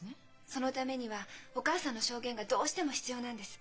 そのためにはお母さんの証言がどうしても必要なんです。